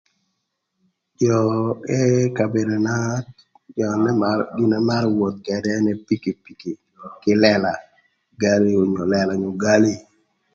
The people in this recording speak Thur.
Jö më kabedona jö më marö gin na amarö woth ködë ënë pikipiki kï lëla gali lëla onyo gali.